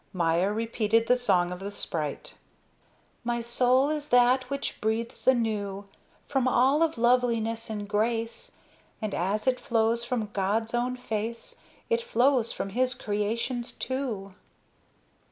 Maya repeated the song of the sprite. My soul is that which breathes anew From all of loveliness and grace; And as it flows from God's own face, It flows from his creations, too.